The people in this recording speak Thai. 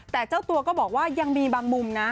แต่เจ้าตัวก็บอกว่ายังมีบางมุมนะ